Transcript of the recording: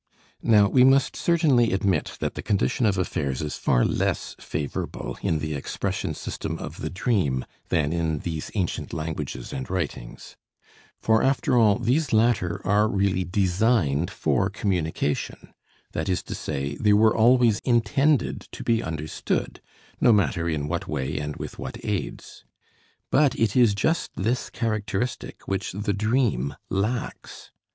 Now we must certainly admit that the condition of affairs is far less favorable in the expression system of the dream than in these ancient languages and writings. For, after all, these latter are really designed for communication, that is to say, they were always intended to be understood, no matter in what way and with what aids. But it is just this characteristic which the dream lacks.